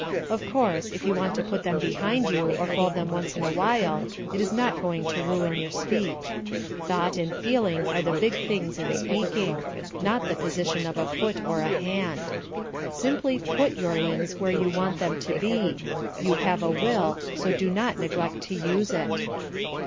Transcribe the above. Of course, if you want to put them behind you, or fold them once in awhile, it is not going to ruin your speech. Thought and feeling are the big things in speaking not the position of a foot or a hand. Simply put your limbs where you want them to be you have a will, so do not neglect to use it.